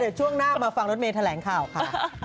เดี๋ยวช่วงหน้ามาฟังรถเมย์แถลงข่าวค่ะ